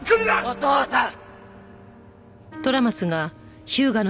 お父さん！